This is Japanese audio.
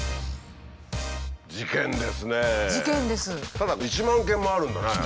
ただ１万件もあるんだねああ